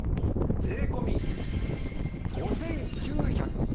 税込５９８０円！